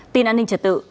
tin an ninh trật tự